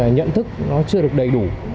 nhận thức nó chưa được đầy đủ